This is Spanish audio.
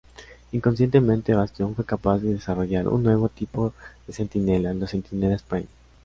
Inconscientemente, Bastión fue capaz de desarrollar un nuevo tipo de Centinelas, los Centinelas Prime.